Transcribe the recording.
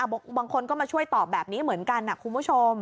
บางคนก็มาช่วยตอบแบบนี้เหมือนกันนะคุณผู้ชม